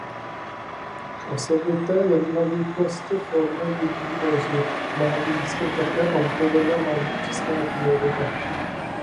K osobité jednoduchosti formy ve výrazu má blízko také autorova malířská tvorba.